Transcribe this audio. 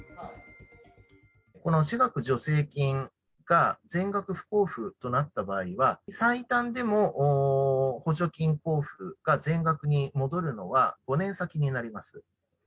この私学助成金が全額不交付となった場合は、最短でも補助金交付が全額に戻るのは、５年先になります。